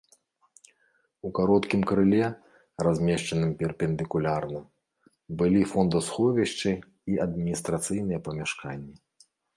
У кароткім крыле, размешчаным перпендыкулярна, былі фондасховішчы і адміністрацыйныя памяшканні.